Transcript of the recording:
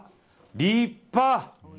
立派！